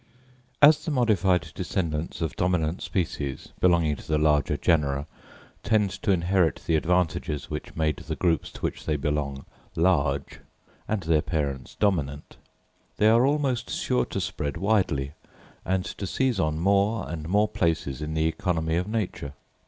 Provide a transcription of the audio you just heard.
_—As the modified descendants of dominant species, belonging to the larger genera, tend to inherit the advantages which made the groups to which they belong large and their parents dominant, they are almost sure to spread widely, and to seize on more and more places in the economy of nature.